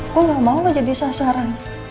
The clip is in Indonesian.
gue gak mau lo jadi sasaran